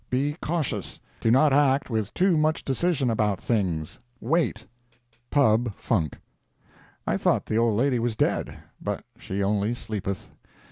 Be cautious. Do not act with too much decision about things. Wait. Pub. Func. I thought the old lady was dead. But she only sleepeth.